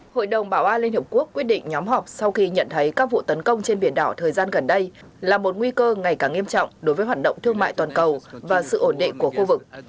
hội đồng bảo an liên hợp quốc quyết định nhóm họp sau khi nhận thấy các vụ tấn công trên biển đỏ thời gian gần đây là một nguy cơ ngày càng nghiêm trọng đối với hoạt động thương mại toàn cầu và sự ổn định của khu vực